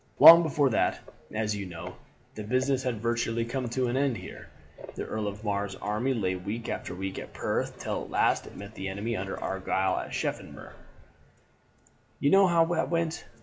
"Long before that, as you know, the business had virtually come to an end here. The Earl of Mar's army lay week after week at Perth, till at last it met the enemy under Argyle at Sheriffmuir. "You know how that went.